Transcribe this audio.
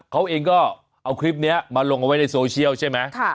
เขาเองก็เอาคลิปนี้มาลงเอาไว้ในโซเชียลใช่ไหม